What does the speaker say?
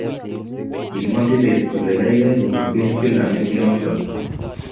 Kimwaa Kibet kole geigei komageer filamit noto